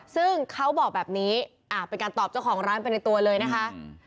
ซึ่งเขาบอกแบบนี้เป็นการตอบเจ้าของร้านไปในตัวเลยนะคะ